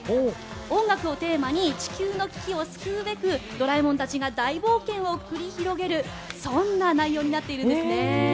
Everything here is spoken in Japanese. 音楽をテーマに地球の危機を救うべくドラえもんたちが大冒険を繰り広げるそんな内容になっているんですね。